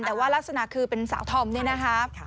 แต่ว่ารักษณะคือเป็นสาวธอมนี่นะคะ